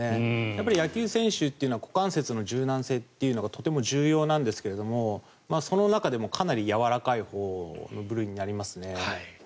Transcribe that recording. やっぱり野球選手というのは股関節の柔軟性というのがとても重要なんですがその中でもかなりやわらかいほうの部類になりますね。